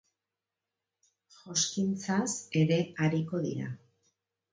Joskintzaz ere ariko dira.